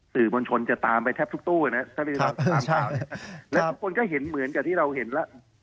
สื่อมวลชนจะตามไปแทบทุกตู้ก็เหมือนกับที่เราเห็นแล้ว